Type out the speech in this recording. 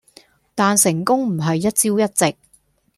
但成功唔係一朝一夕。